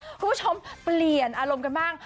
คุณผู้ชมเปลี่ยนอารมณ์กันบ้าง